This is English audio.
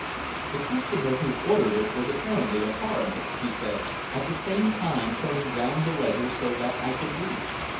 "The customer who ordered it was apparently a foreigner," she said, at the same time turning round the ledger so that I could read.